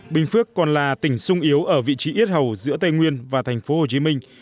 bình phước còn là tỉnh sung yếu ở vị trí ít hầu giữa tây nguyên và thành phố hồ chí minh